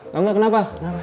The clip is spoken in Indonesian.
tau ga kenapa